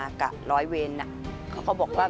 ทำไมเราต้องเป็นแบบเสียเงินอะไรขนาดนี้เวรกรรมอะไรนักหนา